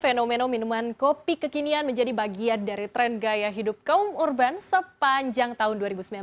fenomena minuman kopi kekinian menjadi bagian dari tren gaya hidup kaum urban sepanjang tahun dua ribu sembilan belas